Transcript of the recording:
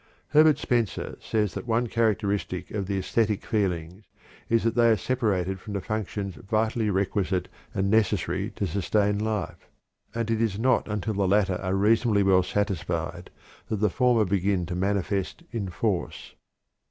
Herbert Spencer says that one characteristic of the æsthetic feelings is that they are separated from the functions vitally requisite and necessary to sustain life, and it is not until the latter are reasonably well satisfied that the former begin to manifest in force.